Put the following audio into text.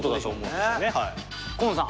今野さん